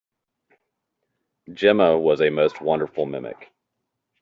Jemma was a most wonderful mimic.